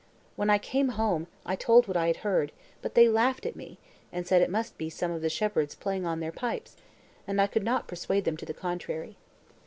When I came home, I told what I had heard, but they laughed at me, and said it must be some of the shepherds playing on their pipes, and I could not persuade them to the contrary.